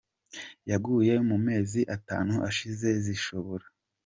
yaguye mu mezi atanu ashize zishobora.